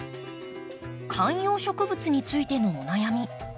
観葉植物についてのお悩み